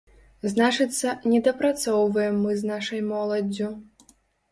Значыцца, недапрацоўваем мы з нашай моладдзю.